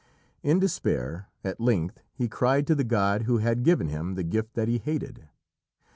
In despair, at length he cried to the god who had given him the gift that he hated.